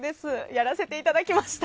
やらせていただきました。